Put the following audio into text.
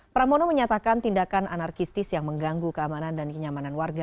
pramono menyatakan tindakan anarkistis yang mengganggu keamanan dan kenyamanan warga